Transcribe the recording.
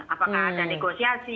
apakah ada negosiasi